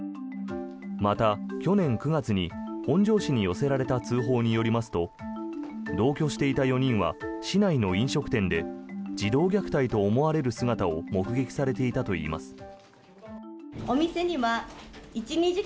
また、去年９月に本庄市に寄せられた通報によりますと同居していた４人は市内の飲食店で児童虐待と思われる姿を目撃されていたといいます。